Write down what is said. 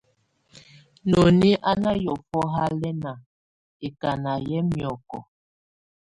Noni á na hiɔ̀fɔ halɛna, ɛkana yɛ miɔkɔ.